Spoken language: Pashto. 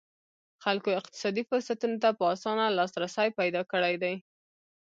خلکو اقتصادي فرصتونو ته په اسانه لاسرسی پیدا کړی دی.